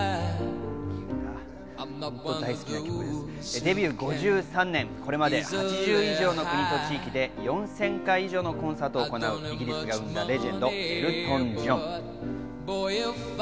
デビュー５３年、これまで８０以上の国と地域で４０００回以上のコンサートを行うイギリスが生んだレジェンド、エルトン・ジョン。